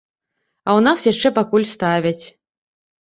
А ў нас яшчэ пакуль ставяць!